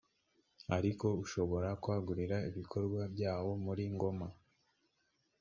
ariko ushobora kwagurira ibikorwa byawo muri ngoma